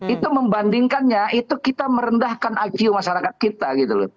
itu membandingkannya itu kita merendahkan iq masyarakat kita gitu loh